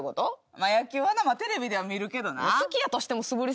まあ野球はなテレビでは見るけどな。